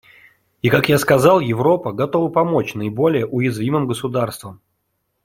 И, как я сказал, Европа готова помочь наиболее уязвимым государствам.